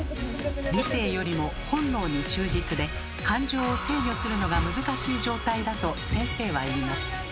理性よりも本能に忠実で感情を制御するのが難しい状態だと先生は言います。